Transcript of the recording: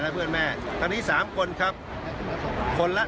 แล้วเราจ่ายไปเท่าไหร่ครับ